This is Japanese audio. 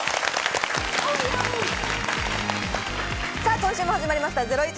今週も始まりました『ゼロイチ』。